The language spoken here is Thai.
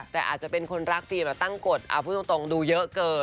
แต่อาจจะเป็นคนรักฟิล์แบบตั้งกฎเอาพูดตรงดูเยอะเกิน